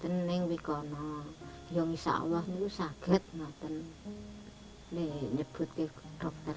ini diambil oleh dokter